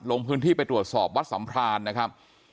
ลงพื้นที่ไปตรวจสอบวัดสัมพรานนะครับ